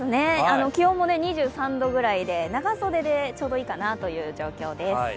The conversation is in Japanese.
気温も２３度くらいで長袖でちょうどいいかなという状況です。